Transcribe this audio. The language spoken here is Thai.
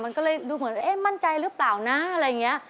มันก็เลยดูเหมือนเอ๊ะมั่นใจหรือเปล่านะอะไรอย่างนี้